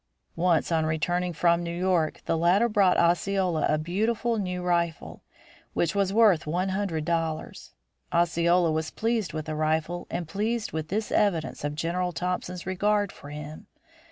Once on returning from New York the latter brought Osceola a beautiful new rifle, which was worth one hundred dollars. Osceola was pleased with the rifle and pleased with this evidence of General Thompson's regard for him.